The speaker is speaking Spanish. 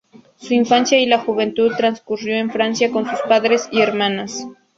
Su infancia y la juventud transcurrió en Francia con sus padres y hermanas.